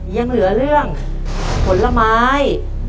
ยังเหลือเรื่องผลไม้